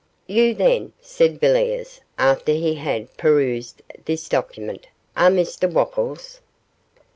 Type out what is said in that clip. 'You, then,' said Villiers, after he had perused this document, 'are Mr Wopples?